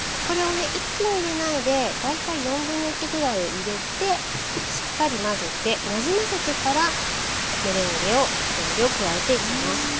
これをね一気に入れないで大体1/4ぐらいを入れてしっかり混ぜてなじませてからメレンゲを全量加えていきます。